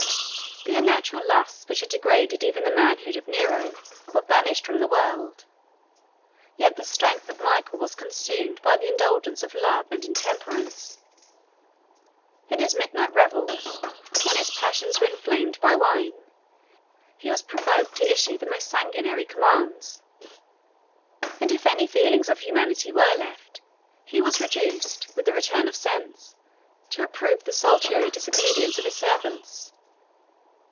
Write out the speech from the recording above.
The unnatural lusts which had degraded even the manhood of Nero, were banished from the world; yet the strength of Michael was consumed by the indulgence of love and intemperance. 1012 In his midnight revels, when his passions were inflamed by wine, he was provoked to issue the most sanguinary commands; and if any feelings of humanity were left, he was reduced, with the return of sense, to approve the salutary disobedience of his servants.